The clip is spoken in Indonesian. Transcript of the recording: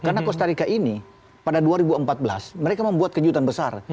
karena costa rica ini pada dua ribu empat belas mereka membuat kejutan besar